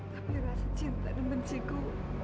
tapi rasa cinta dan benciku